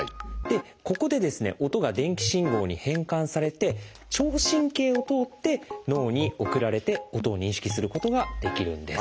ここで音が電気信号に変換されて聴神経を通って脳に送られて音を認識することができるんです。